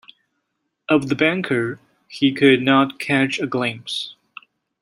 Of the banker he could not catch a glimpse.